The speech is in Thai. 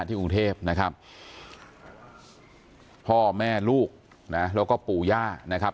กรุงเทพนะครับพ่อแม่ลูกนะแล้วก็ปู่ย่านะครับ